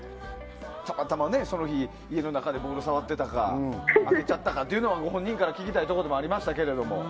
たまたま、その日家の中でボールを触ってたか当たっちゃったかご本人から聞きたいところではありましたけど。